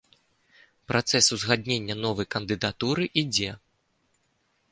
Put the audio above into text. Працэс узгаднення новай кандыдатуры ідзе.